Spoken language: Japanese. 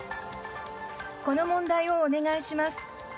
この問題をお願いします。